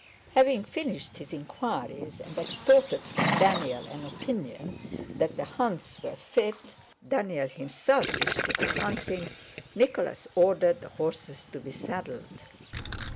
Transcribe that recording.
Having finished his inquiries and extorted from Daniel an opinion that the hounds were fit (Daniel himself wished to go hunting), Nicholas ordered the horses to be saddled.